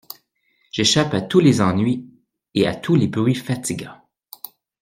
J'échappe à tous les ennuis et à tous les bruits fatigants.